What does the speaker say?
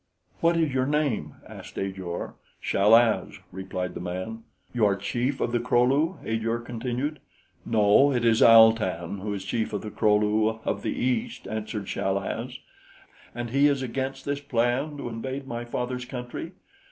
"What is your name?" asked Ajor. "Chal az," replied the man. "You are chief of the Kro lu?" Ajor continued. "No, it is Al tan who is chief of the Kro lu of the east," answered Chal az. "And he is against this plan to invade my father's country?"